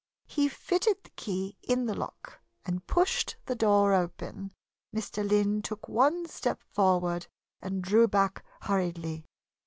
He fitted the key in the lock and pushed the door open. Mr. Lynn took one step forward and drew back hurriedly.